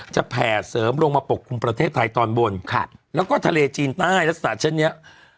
แผ่เสริมลงมาปกคลุมประเทศไทยตอนบนแล้วก็ทะเลจีนใต้ลักษณะเช่นนี้